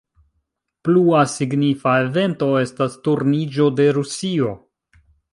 Plua signifa evento estas turniĝo de Rusio.